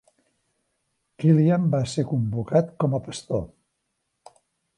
Kilian va ser convocat com a pastor.